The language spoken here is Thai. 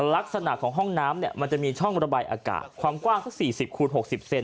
ลักษณะของห้องน้ำเนี่ยมันจะมีช่องระบายอากาศความกว้างสัก๔๐คูณ๖๐เซน